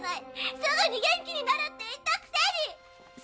すぐに元気になるって言ったくせに！